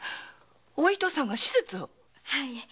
お糸さんが手術を。